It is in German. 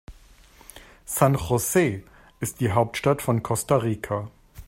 San José ist die Hauptstadt von Costa Rica.